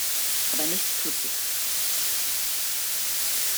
Aber nichts tut sich.